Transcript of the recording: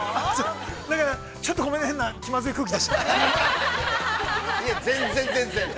◆だから、ちょっとごめん、変な、気まずい空気出して。